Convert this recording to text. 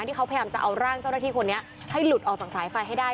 ที่เขาพยายามจะเอาร่างเจ้าหน้าที่คนนี้ให้หลุดออกจากสายไฟให้ได้